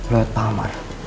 lewat pak amar